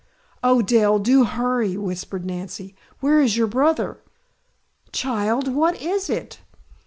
"Oh Dell, do hurry!" whispered Nancy. "Where is your brother?" "Child! What is it?"